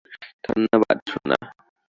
ধন্যবাদ, সোনা।